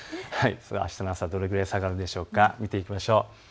あしたの朝、どれくらい下がるでしょうか、見ていきましょう。